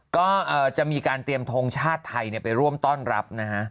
ก็จะมีการเตรียมทงชาติไทยไปร่วมต้อนรับนะฮะ